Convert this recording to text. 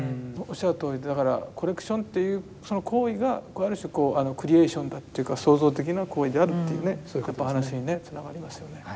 おっしゃるとおりだからコレクションというその行為がある種こうクリエーションだというか創造的な行為であるというねそういう話にねつながりますよね。